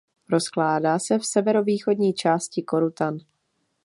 Rozkládá se v severovýchodní části Korutan.